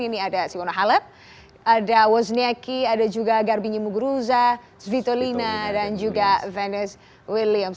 ini ada siwono halep ada wozniacki ada juga garbine muguruza svitolina dan juga vaness williams